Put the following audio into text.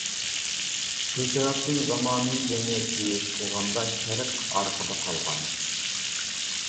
شۇ سەۋەبتىن زامانىۋى جەمئىيەتكە يۈرۈش قىلغاندا، شەرق ئارقىدا قالغان.